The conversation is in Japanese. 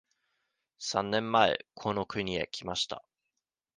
三年前この国へ来ました。